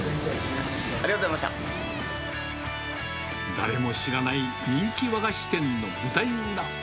誰も知らない人気和菓子店の舞台裏。